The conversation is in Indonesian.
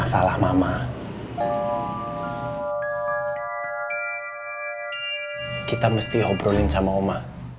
setelah mama kita mesti obrolin sama oma